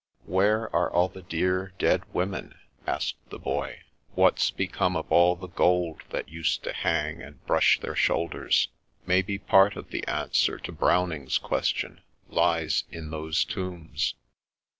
"' Where are all the dear, dead women ?'" asked the Boy. "' What's become of all the gold that used to hang, and brush their shoulders? ' Maybe part of the answer to Browning's question lies in those tombs."